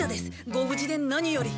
ご無事で何より。